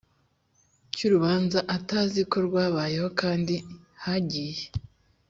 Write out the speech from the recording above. cy urubanza atazi ko rwabayeho kandi hagiye